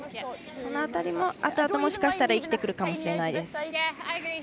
その辺りも後々、もしかしたら生きてくるかもしれないです。